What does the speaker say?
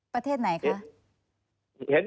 ประเทศไหนคะ